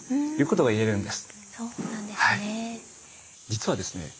実はですね